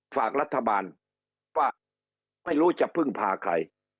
ฝากรัฐบาลว่าไม่รู้จะพึ่งพาใคร